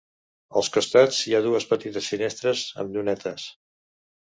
Als costats hi ha dues petites finestres amb llunetes.